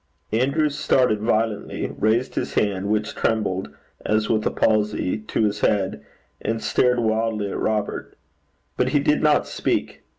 Andrew started violently, raised his hand, which trembled as with a palsy, to his head, and stared wildly at Robert. But he did not speak.